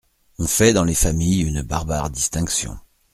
On fait dans les familles une barbare distinction.